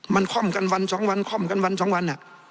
มันค่อมกันวันสองวันค่อมกันวันสองวัน